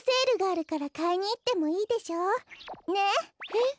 えっ？